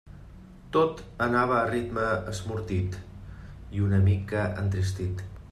Tot anava a ritme esmortit i una mica entristit.